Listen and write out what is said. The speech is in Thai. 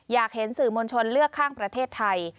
อยากเห็นสื่อมวลชนเลือกข้างประเทศไทย